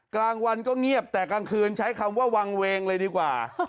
กลางวันก็เงียบแต่กลางคืนใช้คำว่าวางเวงเลยดีกว่า